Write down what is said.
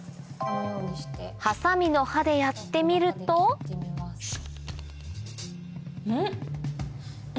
ハサミの刃でやってみるとん！